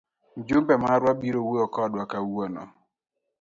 Mjumbe marwa biro wuoyo kodwa kawuono.